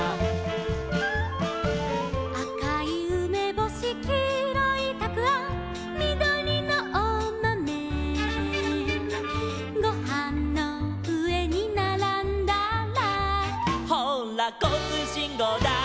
「あかいうめぼし」「きいろいたくあん」「みどりのおまめ」「ごはんのうえにならんだら」「ほうらこうつうしんごうだい」